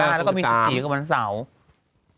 แล้วก็มี๑๔กับวันเสาร์